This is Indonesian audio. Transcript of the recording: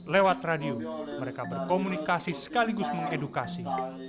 lewat radio mereka berkomunikasi sekaligus mengedukasi